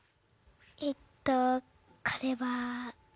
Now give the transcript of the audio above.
えっとこれは。